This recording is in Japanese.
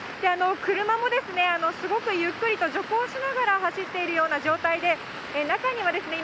車もすごくゆっくりと徐行しながら走っているような状態で、中には今、